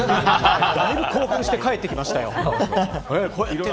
だいぶ興奮して帰ってきましたよ。